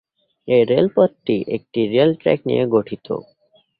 এই রেলপথটি একটি rail track নিয়ে গঠিত।